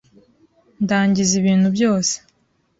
Ndangiza ibintu byose